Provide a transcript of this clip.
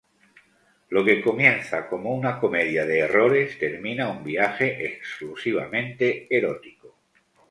Lo que comienza como una comedia de errores termina un viaje exclusivamente erótico.